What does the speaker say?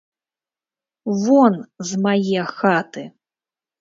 Вон з мае хаты!